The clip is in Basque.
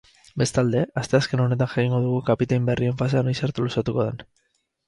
Bestalde, asteazken honetan jakingo dugu kapitain berrien fasea noiz arte luzatuko den.